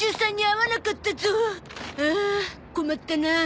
はあ困ったなあ。